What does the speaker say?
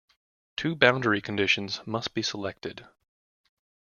Two boundary conditions must be selected.